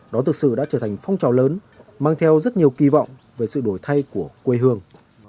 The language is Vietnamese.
đó thực sự đã trở thành phong trào lớn mang theo rất nhiều kỳ vọng về sự đổi thay của quê hương